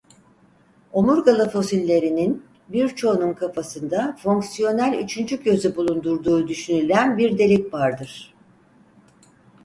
Omurgalı fosillerinin birçoğunun kafatasında fonksiyonel üçüncü gözü bulundurduğu düşünülen bir delik vardır.